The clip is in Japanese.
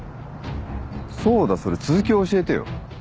そうだそれ続きを教えてよ。